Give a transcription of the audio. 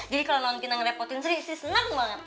jadi kalau noon kinar ngerepotin siri siri senang banget